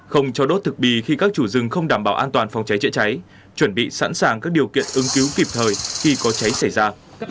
không cho đốt thực bì khi các chủ rừng không đảm bảo an toàn phòng cháy chữa cháy chuẩn bị sẵn sàng các điều kiện ứng cứu kịp thời khi có cháy xảy ra